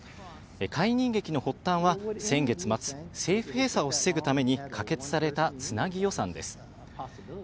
解任劇の発端は先月末、政府閉鎖を防ぐために可決された、つなぎ予算です。